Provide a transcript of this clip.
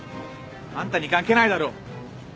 あんたに関係ないだろ。